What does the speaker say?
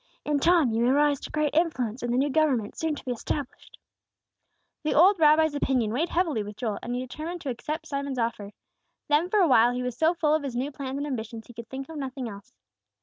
In time you may rise to great influence in the new government soon to be established." The old rabbi's opinion weighed heavily with Joel, and he determined to accept Simon's offer. Then for awhile he was so full of his new plans and ambitions, he could think of nothing else.